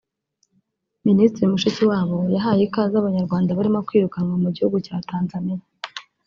Ministiri Mushikiwabo yahaye ikaze Abanyarwanda barimo kwirukanwa mu gihugu cya Tanzania